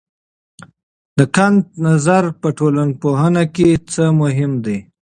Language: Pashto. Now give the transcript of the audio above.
د کنت نظر په ټولنپوهنه کې څه مهم دی؟